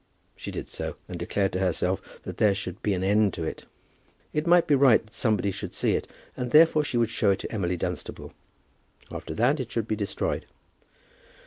She did so, and declared to herself that there should be an end to it. It might be right that somebody should see it, and therefore she would show it to Emily Dunstable. After that it should be destroyed.